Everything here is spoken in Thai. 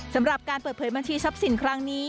สำหรับการเปิดเผยบัญชีทรัพย์สินครั้งนี้